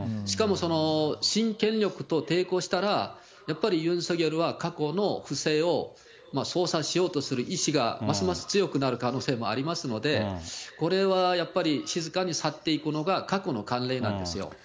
しかも新権力と抵抗したら、やっぱりユン・ソギョルは過去の不正を捜査しようとする意思が、ますます強くなる可能性もありますので、これはやっぱり静かに去っていくのが過去の慣例なんですよ。